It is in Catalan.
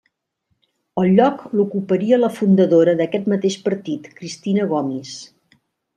El lloc l'ocuparia la fundadora d'aquest mateix partit, Cristina Gomis.